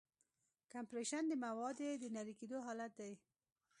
کمپریشن د موادو د نری کېدو حالت دی.